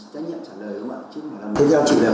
không phải là trách nhiệm trả lời đúng không ạ